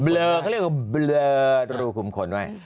เขาเรียกว่าเครื่องรูขุมขนด้วย